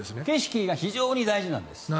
景色が非常に大事なんです。